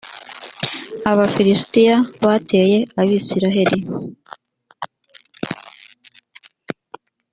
abafilisitiya bateye abisiraheri